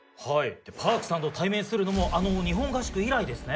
Ｐａｒｋさんと対面するのもあの日本合宿以来ですね。